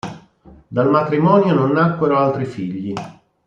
Dal matrimonio non nacquero altri figli.